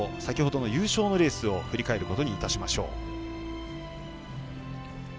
先ほどの優勝レースを振り返ることにいたしましょう。